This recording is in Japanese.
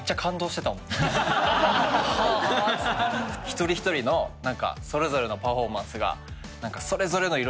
一人一人の何かそれぞれのパフォーマンスが。